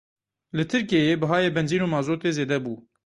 Li Tirkiyeyê bihayê benzîn û mazotê zêde bû.